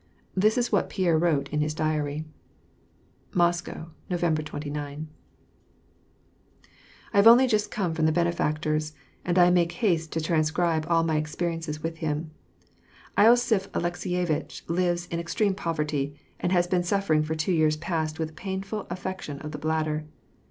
This was what Pierre wrote in his diary :— Moscow, November 29. I have only just come from the Benefactor's, and I make haste to tran scribe all roy experiences with him. losiph Alekseyevitch lives in ex treme poverty, and has been suffering for two years' past with a painful affection of the bladder.